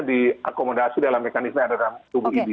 diakomodasi dalam mekanisme dalam tubuh idi